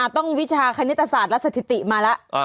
ต้องวิจารณ์คณิตศาสตร์และสถิติมาแล้ว